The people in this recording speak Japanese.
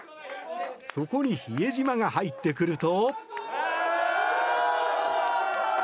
そこに比江島が入ってくると。